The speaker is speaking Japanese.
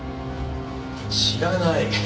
知らない。